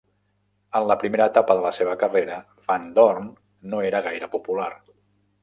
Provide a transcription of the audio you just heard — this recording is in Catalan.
En la primera etapa de la seva carrera, Van Doorn no era gaire popular.